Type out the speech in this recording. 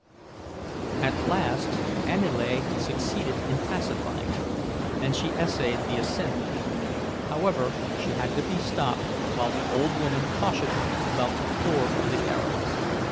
At last Aniele succeeded in pacifying her, and she essayed the ascent; then, however, she had to be stopped while the old woman cautioned her about the floor of the garret.